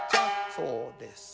そうです。